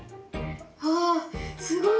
「わすごい。